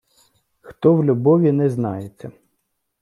Хто в любові не знається